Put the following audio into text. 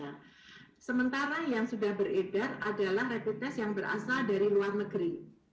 dan sekarang yang sudah beredar adalah rapid test yang berasal dari luar negeri